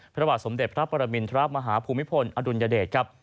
พระบาทสมเด็จพระปรมินทรมาฮภูมิพลอดุลยเดชครับ